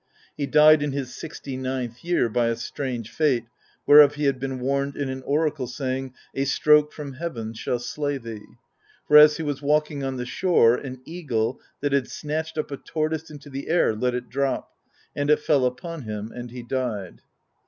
He died in his sixty ninth year by a strange fate, whereof he had been warned in an oracle, saying A stroke from heaven shall slay thee. For as he was walking on the shore, an eagle, that had snatched up a tortoise into the air, let it drop ; and it fell upon him, and he died.